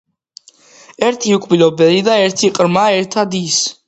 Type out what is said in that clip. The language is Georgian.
ერთი უკბილო ბერი და ერთი ყრმა ერთად ის